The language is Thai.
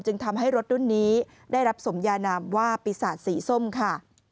ทำให้รถรุ่นนี้ได้รับสมยานามว่าปีศาจสีส้มค่ะ